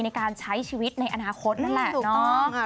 ในการใช้ชีวิตในอนาคตนั่นแหละเนาะ